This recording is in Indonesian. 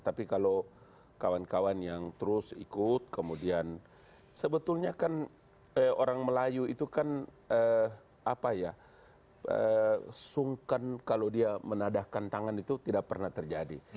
tapi kalau kawan kawan yang terus ikut kemudian sebetulnya kan orang melayu itu kan apa ya sungkan kalau dia menadahkan tangan itu tidak pernah terjadi